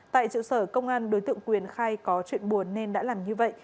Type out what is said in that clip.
tại trụ sở công an đối tượng quyền khai có chuyện buồn nên đã làm như vậy